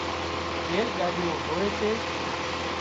ريل ڳاڏيون هوئي سي